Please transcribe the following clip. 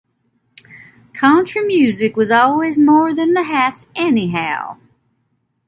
Country music was always more than the hats anyhow.